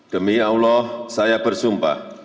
demi allah saya bersumpah